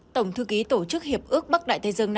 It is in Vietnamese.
tổng thư ký tổ chức hiệp ước bắc đại tây dương nói